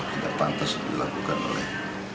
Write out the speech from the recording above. tidak pantas dilakukan oleh